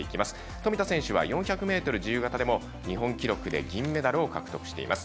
富田選手は４００ｍ自由形でも日本記録で銀メダルを獲得しています。